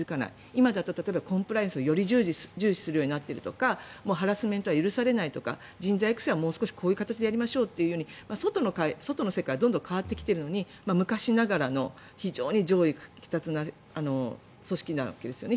今だと、例えばコンプライアンスをより重視するようになっているとかハラスメントは許されないとか人材育成はこういう形でやりましょうと外の世界はどんどん変わってきているのに昔ながらの非常に上意下達な組織なわけですよね。